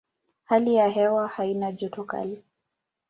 Hali ya hewa haina joto kali.